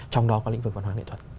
trong đó có lĩnh vực văn hóa nghệ thuật